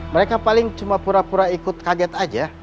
mereka paling cuma pura pura ikut kaget aja